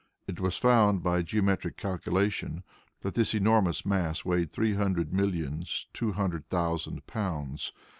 It was found, by geometric calculation, that this enormous mass weighed three millions two hundred thousand pounds.